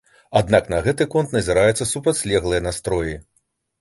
Аднак на гэты конт назіраюцца супрацьлеглыя настроі.